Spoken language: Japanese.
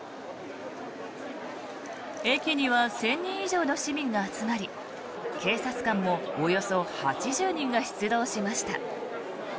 駅には１０００人以上の市民が集まり警察官もおよそ８０人が出動しました。